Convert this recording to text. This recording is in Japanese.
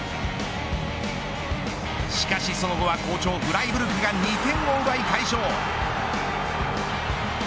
しかし、その後は好調フライブルクが２点を奪い快勝。